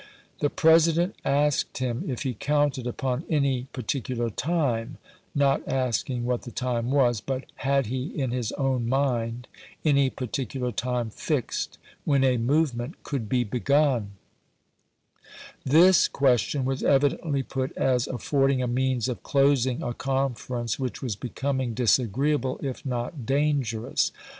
The President asked him if he counted upon any par ticular time, not asking what the time was — but had he in his own mind any particular time fixed when a movement could be begun 1 This question was evidently put as affording a means of closing a conference which was becoming disagreeable if not dangerous.